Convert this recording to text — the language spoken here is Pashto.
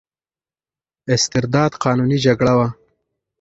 استرداد قانوني جګړه وه.